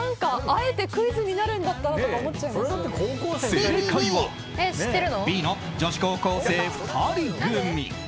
あえてクイズになるんだったらって正解はＢの女子高校生２人組。